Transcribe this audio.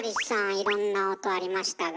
いろんな音ありましたが。